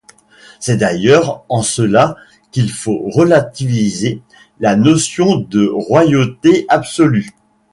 C'est d'ailleurs en cela qu'il faut relativiser la notion de royauté absolue.